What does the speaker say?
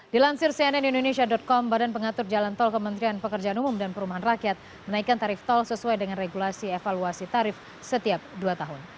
dilansir cnn indonesia com badan pengatur jalan tol kementerian pekerjaan umum dan perumahan rakyat menaikkan tarif tol sesuai dengan regulasi evaluasi tarif setiap dua tahun